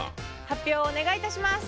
発表をお願いいたします。